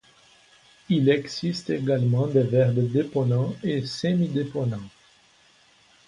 Il existe également des verbes déponents et semi-déponents.